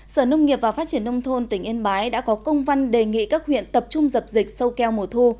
sở nông nghiệp và phát triển nông thôn tỉnh yên bái đã có công văn đề nghị các huyện tập trung dập dịch sâu keo mùa thu